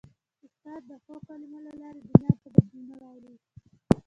استاد د ښو کلمو له لارې دنیا ته بدلون راولي.